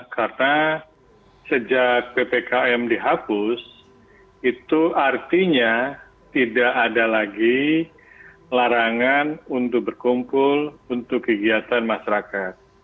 karena sejak ppkm dihapus itu artinya tidak ada lagi larangan untuk berkumpul untuk kegiatan masyarakat